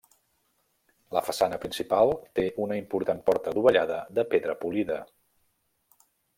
La façana principal té una important porta dovellada de pedra polida.